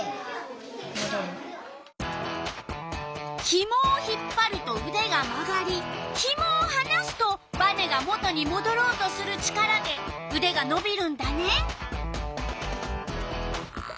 ひもを引っぱるとうでが曲がりひもをはなすとバネが元にもどろうとする力でうでがのびるんだね。